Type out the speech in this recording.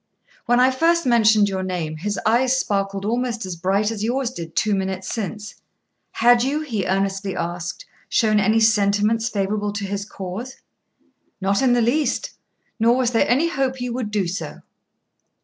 When I first mentioned your name, his eyes sparkled almost as bright as yours did two minutes since. "Had you," he earnestly asked, "shown any sentiments favourable to his cause?" "Not in the least, nor was there any hope you would do so."